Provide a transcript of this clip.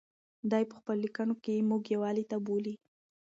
دی په خپلو لیکنو کې موږ یووالي ته بولي.